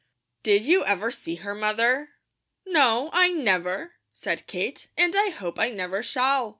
"Did you ever see her, Mother?" "No, I never," said Kate, "and I hope I never shall.